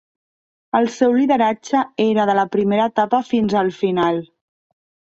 El seu lideratge era de la primera etapa fins al final.